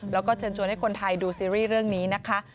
แล้วก็เชิญชวนให้คนไทยดูซีรีส์เรื่องนี้นะคะ